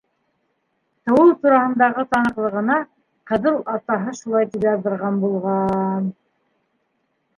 «Тыуыу тураһындағы таныҡлығы»на «ҡыҙыл» атаһы шулай тип яҙҙырған булған...